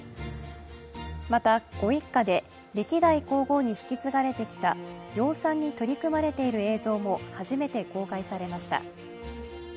またご一家で歴代皇后に引き継がれてきた養蚕に取り組まれている映像も初めて公開されました。